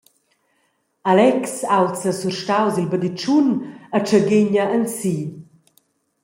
Alex aulza surstaus il baditschun e tschaghegna ensi.